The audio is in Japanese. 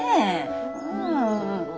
うん。